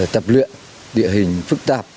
tập luyện địa hình phức tạp